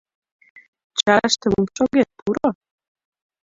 Чараште мом шогет, пуро.